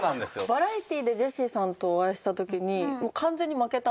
バラエティーでジェシーさんとお会いした時に。